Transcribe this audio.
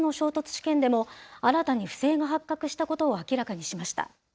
試験でも、新たに不正が発覚したことを明らかにしました。